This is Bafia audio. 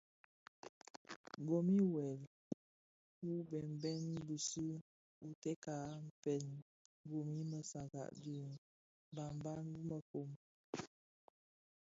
Gom i wuel u bèbèn bisu u teka a mpën gom I mësaga dhi mgbagban wu mefom.